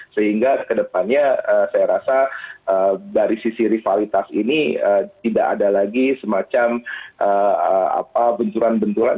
sehingga kedepannya saya rasa dari sisi rivalitas ini tidak ada lagi semacam benturan benturan